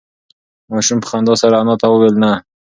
ماشوم په خندا سره انا ته وویل نه.